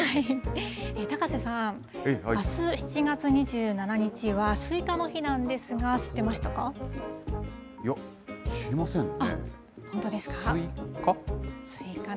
高瀬さん、あす７月２７日は、すいかの日なんですが、知ってましたか？